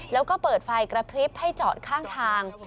แล้วก็เปิดไฟกระพริบให้จอดข้างทาง